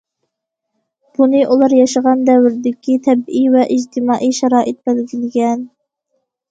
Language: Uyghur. بۇنى ئۇلار ياشىغان دەۋردىكى تەبىئىي ۋە ئىجتىمائىي شارائىت بەلگىلىگەن.